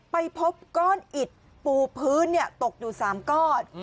ไปพบก้อนอิดปูพื้นตกอยู่๓ก้อน